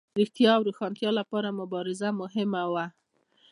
د ویښتیا او روښانتیا لپاره مبارزه مهمه وه.